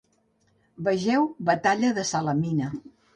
Vegeu Batalla de Salamina.